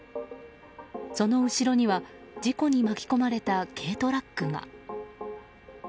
その後ろには事故に巻き込まれた軽トラックが。